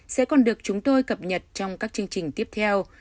sẽ còn được chúng tôi cập nhật trong các chương trình tiếp theo